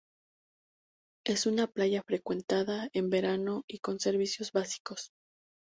Es una playa frecuentada en verano y con servicios básicos.